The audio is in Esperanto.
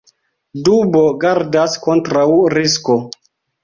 Dubo gardas kontraŭ risko.